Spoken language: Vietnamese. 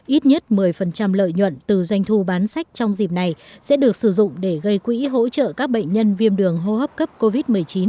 ít nhất một mươi lợi nhuận từ doanh thu bán sách trong dịp này sẽ được sử dụng để gây quỹ hỗ trợ các bệnh nhân viêm đường hô hấp cấp covid một mươi chín